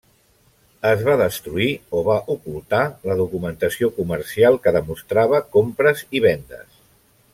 Es va destruir o va ocultar la documentació comercial que demostrava compres i vendes.